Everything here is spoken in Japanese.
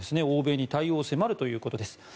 欧米に対応を迫るということです。